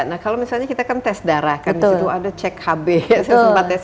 nah kalau misalnya kita kan tes darah kan disitu ada cek hb sesempatnya